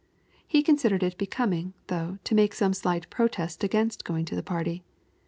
He considered it becoming, though, to make some slight protest against going to the party.